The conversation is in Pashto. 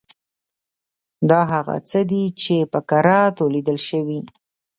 دا هغه څه دي چې په کراتو لیدل شوي.